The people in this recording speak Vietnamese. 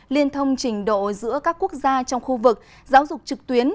liên thông trình độ giữa các quốc gia trong khu vực giáo dục trực tuyến